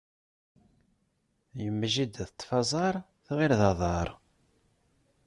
Yemma jida teṭṭef aẓaṛ, tɣil d aḍaṛ.